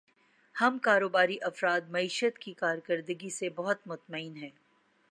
ہم کاروباری افراد معیشت کی کارکردگی سے بہت مطمئن ہیں